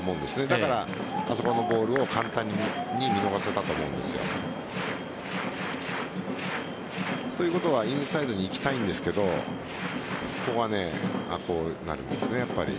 だからあそこのボールを簡単に見逃せたと思うんですよ。ということはインサイドに行きたいんですがここはこうなりますねやっぱり。